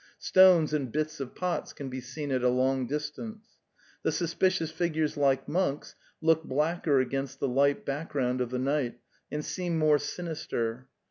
Stones and bits of pots can be seen at a long distance. 'The sus picious figures like monks look blacker against the light background of the night, and seem more sinister.